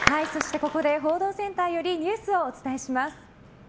ここで報道センターよりニュースをお伝えします。